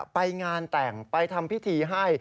ไปงานแต่งไปทำพิธีให้